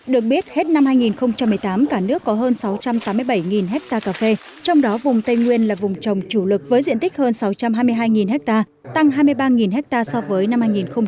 được biết hết năm hai nghìn một mươi tám cả nước có hơn sáu trăm tám mươi bảy hectare cà phê trong đó vùng tây nguyên là vùng trồng chủ lực với diện tích hơn sáu trăm hai mươi hai ha tăng hai mươi ba ha so với năm hai nghìn một mươi bảy